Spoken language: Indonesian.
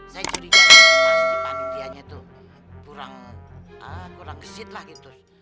saya curiga pasti panitianya tuh kurang gesit lah gitu